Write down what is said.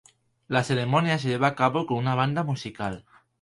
La ceremonia se lleva a cabo con una banda musical.